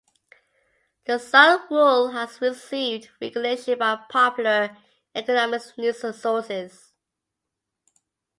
The Sahm Rule has received recognition by popular economics news sources.